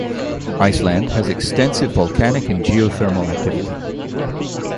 Iceland has extensive volcanic and geothermal activity.